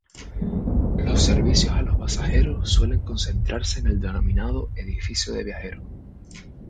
Los servicios a los pasajeros suelen concentrarse en el denominado "edificio de viajeros".